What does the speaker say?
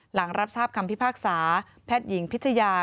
หลังรับทราบคำพิพากษาแพทย์หญิงพิชยา